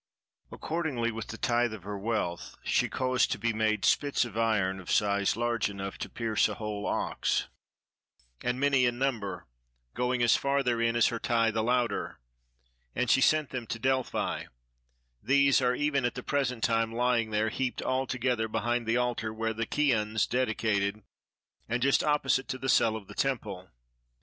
Accordingly with the tithe of her wealth she caused to be made spits of iron of size large enough to pierce a whole ox, and many in number, going as far therein as her tithe allowed her, and she sent them to Delphi: these are even at the present time lying there, heaped all together behind the altar which the Chians dedicated, and just opposite to the cell of the temple.